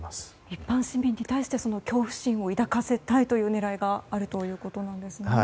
一般市民に対して恐怖心を抱かせたいという狙いがあるということなのですね。